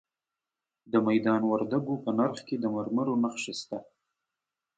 د میدان وردګو په نرخ کې د مرمرو نښې شته.